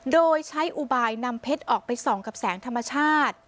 โดยใช้อุบายนำเพชรออกไปส่องกับแสงธรรมชาติ